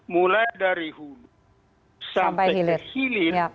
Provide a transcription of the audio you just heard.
mulai dari hulu sampai ke hilir